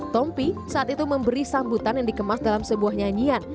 tompi saat itu memberi sambutan yang dikemas dalam sebuah nyanyian